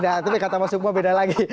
tapi kata mas sukmo beda lagi